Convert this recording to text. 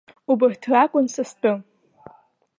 Убарҭ ракәын са стәы.